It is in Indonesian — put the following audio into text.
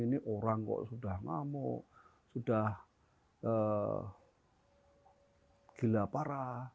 ini orang kok sudah ngamuk sudah gila parah